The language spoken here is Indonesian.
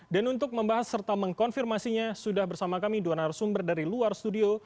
dan untuk membahas serta mengkonfirmasinya sudah bersama kami dua narasumber dari luar studio